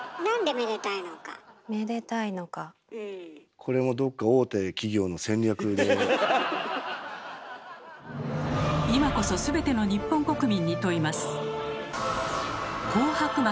これもどっか今こそ全ての日本国民に問います。